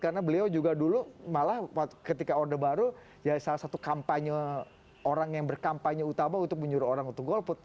karena beliau juga dulu malah ketika order baru ya salah satu kampanye orang yang berkampanye utama untuk menyuruh orang untuk golput